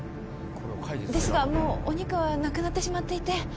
ですがもうお肉はなくなってしまっていて。